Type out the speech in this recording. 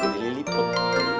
ini lili put